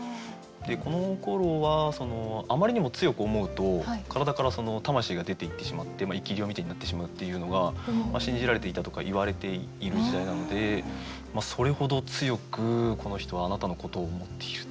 でこのころはあまりにも強く思うと体から魂が出ていってしまって生き霊みたいになってしまうっていうのが信じられていたとかいわれている時代なのでそれほど強くこの人はあなたのことを思っている。